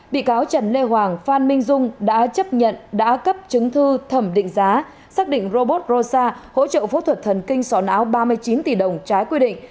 bị cáo trần lê hoàng phan minh dung đã chấp nhận đã cấp chứng thư thẩm định giá xác định robot rosa hỗ trợ phẫu thuật thần kinh sòn áo ba mươi chín tỷ đồng trái quy định